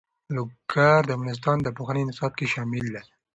لوگر د افغانستان د پوهنې نصاب کې شامل دي.